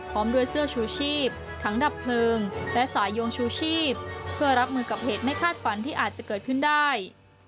พร้อมด้วยเสื้อชูชีพทั้งดับเพลิงและสายยงชูชีพเพื่อรับมือกับเหตุไม่คาดฝันที่อาจจะเกิดขึ้นได้